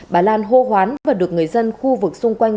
bà lan hô hoán và được người dân khu vực xung quanh